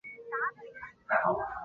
枫丹拉基永人口变化图示